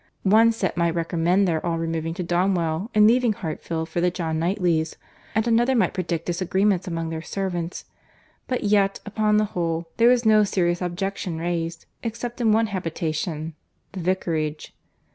One set might recommend their all removing to Donwell, and leaving Hartfield for the John Knightleys; and another might predict disagreements among their servants; but yet, upon the whole, there was no serious objection raised, except in one habitation, the Vicarage.